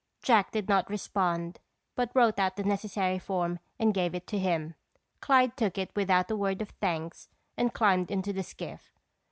Jack did not respond but wrote out the necessary form and gave it to him. Clyde took it without a word of thanks and climbed into the skiff.